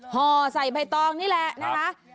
ห่อใส่ใบตองนี่แหละนะคะ